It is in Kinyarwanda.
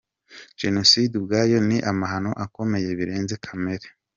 Jenoside ubwayo ni amahano akomeye birenze kamere.